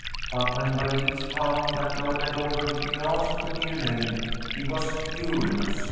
But when Bernice found that Lloyd had already been asked to be Elaine, she was furious.